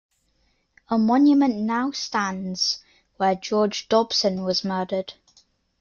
A monument now stands where George Dobson was murdered.